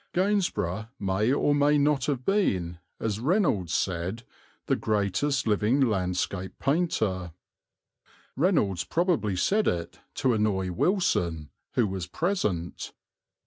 Gainsborough may or may not have been, as Reynolds said, the greatest living landscape painter. Reynolds probably said it to annoy Wilson, who was present.